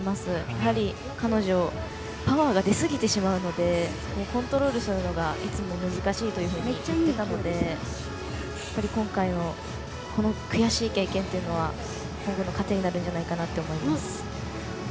やはり、彼女パワーが出すぎてしまうのでコントロールするのがいつも難しいというふうに言っていたので今回のこの悔しい経験というのは今後の糧になるんじゃないかなと思います。